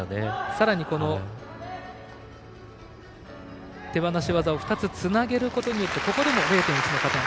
さらに手放し技を２つつなげることによってここでも０．１の加点。